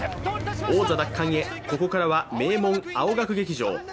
王座奪還へ、ここからは名門・青学劇場。